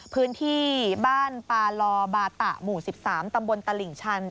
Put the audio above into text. พื้นที่บ้านปาลอบาตะหมู่๑๓ตำบลตลิ่งชัน